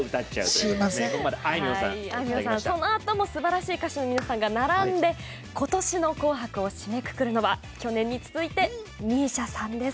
そのあとも、すばらしい歌手の皆さんが並んで今年の「紅白」を締めくくるのは去年に続いて ＭＩＳＩＡ さんです。